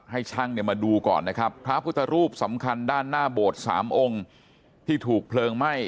ให้ช่างเนี่ยมาดูก่อนนะครับพระพุทธรูปสำคัญด้านหน้าโบสถ์๓องค์ที่ถูกเพลิงไหม้